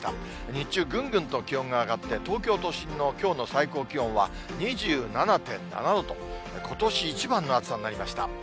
日中ぐんぐんと気温が上がって、東京都心のきょうの最高気温は２７．７度と、ことし一番の暑さになりました。